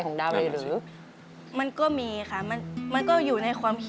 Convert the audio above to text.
กระแซะเข้ามาสิ